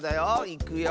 いくよ！